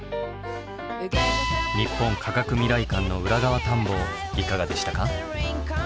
日本科学未来館の裏側探訪いかがでしたか？